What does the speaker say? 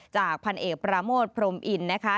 พันเอกปราโมทพรมอินนะคะ